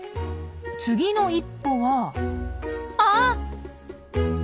次の一歩はあっ！